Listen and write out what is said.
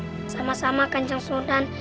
sama sama kanjang sudan